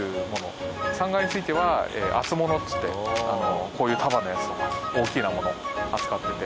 ３階については厚物っつってこういう束のやつとか大きなものを扱ってて。